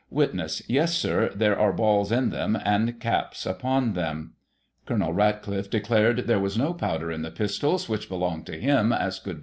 Witness : Yes, Sir ; there are balls in them, and caps upon them. Colonel Ratcliffe declared there was no powder in the pistols, which belonged to him, as could.